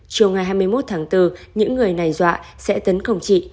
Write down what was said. chiều ngày hai mươi một tháng bốn những người này dọa sẽ tấn công chị